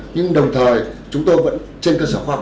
nhưng đồng thời chúng tôi vẫn trên cơ sở khoa học